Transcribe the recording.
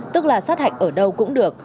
tức là sát hạch ở đâu cũng được